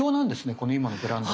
この今のブランド。